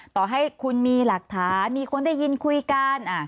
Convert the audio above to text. ต่อให้คุณมีหลักฐานมีคนได้ยินคุยกัน